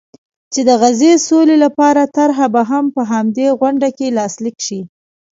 چې د غزې سولې لپاره طرحه به هم په همدې غونډه کې لاسلیک شي.